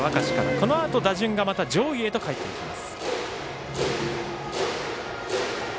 このあと打順がまた上位へと返ってきます。